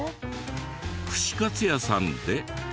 串カツ屋さんで。